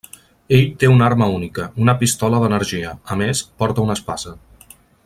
Ell té una arma única, una pistola d'energia; a més, porta una espasa.